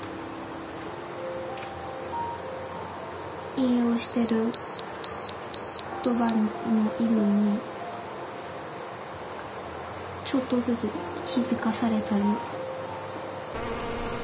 引用してる言葉の意味にちょっとずつ気付かされたり。